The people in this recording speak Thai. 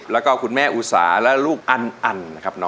แล้วก็คุณแม่อุสาและลูกอันนะครับ